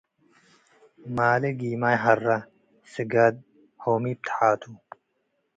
ማሌ ጊማይ ሀረ ስጋድ ሆሜብ ተሓቱ።